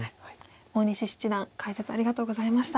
大西七段解説ありがとうございました。